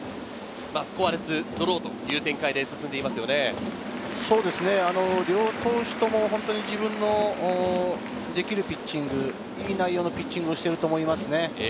スコアレスドローという展両投手とも自分のできるピッチング、いい内容のピッチングをしてると思いますね。